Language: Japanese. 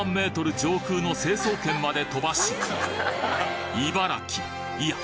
上空の成層圏まで飛ばし茨城いや